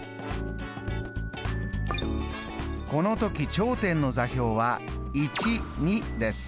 この時頂点の座標はです。